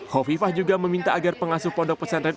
hovifah juga meminta agar pengasuh pondok pesantren